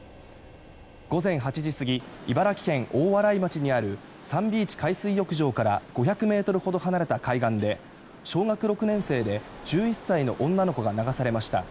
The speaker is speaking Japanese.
午前８時過ぎ茨城県大洗町にあるサンビーチ海水浴場から５００ｍほど離れた海岸で小学６年生で１１歳の女の子が流されました。